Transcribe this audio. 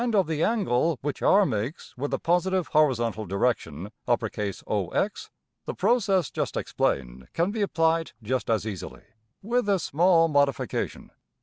5in]{231a} of the angle which $r$~makes with the positive horizontal direction~$OX$, the process just explained can be applied just as easily, with a small modification.